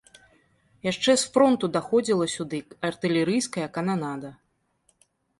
Яшчэ з фронту даходзіла сюды артылерыйская кананада.